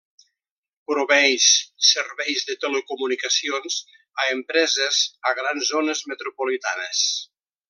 Proveeix serveis de telecomunicacions a empreses a grans zones metropolitans.